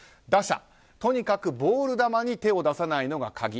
打者、とにかくボール球に手を出さないのが鍵。